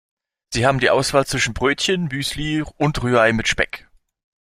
Sie haben die Auswahl zwischen Brötchen, Müsli und Rührei mit Speck.